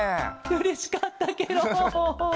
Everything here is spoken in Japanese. うれしかったケロ。